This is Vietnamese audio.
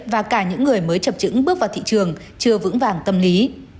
và cả những người mới chập trứng bước vào thị trường chưa vững vàng tâm lý